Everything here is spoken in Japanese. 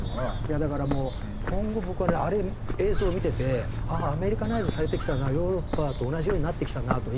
だからもう今後僕はねあれ映像を見ててああアメリカナイズされてきたなヨーロッパと同じようになってきたなと日本も。